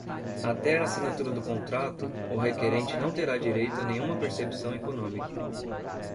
Até a assinatura do contrato, o requerente não terá direito a nenhuma percepção econômica.